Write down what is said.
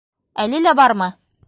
Әле лә бармы?